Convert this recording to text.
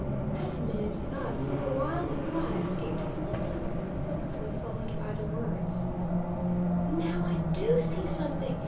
Half a minute thus, then a wild cry escaped his lips, closely followed by the words: "Now I DO see something!